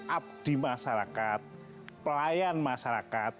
abdi masyarakat pelayan masyarakat